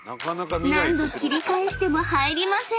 ［何度切り返しても入りません］